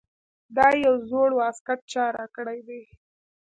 دا یو زوړ واسکټ چا راکړے دے ـ